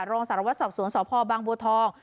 รองศาลวัฒนศ์ศอบสวนสพบังบวทอง